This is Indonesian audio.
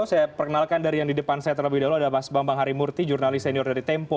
saya perkenalkan dari yang di depan saya terlebih dahulu ada mas bambang harimurti jurnalis senior dari tempo